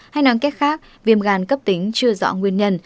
hay năng kết khác viêm gan cấp tính chưa rõ nguyên nhân